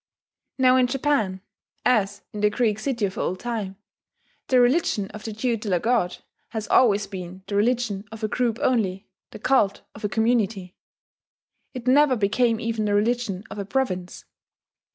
Now in Japan, as in the Greek city of old time, the religion of the tutelar god has always been the religion of a group only, the cult of a community: it never became even the religion of a province.